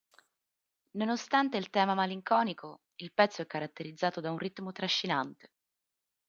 Nonostante il tema malinconico, il pezzo è caratterizzato da un ritmo trascinante.